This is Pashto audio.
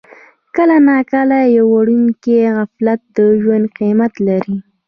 کله ناکله یو وړوکی غفلت د ژوند قیمت لري.